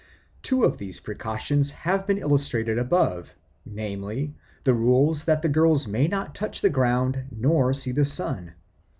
Two of these precautions have been illustrated above, namely, the rules that the girls may not touch the ground nor see the sun.